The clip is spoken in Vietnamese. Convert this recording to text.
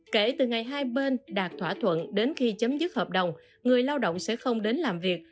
kể từ ngày hai bên đạt thỏa thuận đến khi chấm dứt hợp đồng người lao động sẽ không đến làm việc